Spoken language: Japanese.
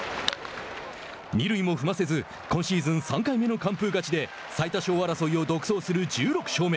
二塁も踏ませず今シーズン３回目の完封勝ちで最多優勝争いを独走する１６勝目。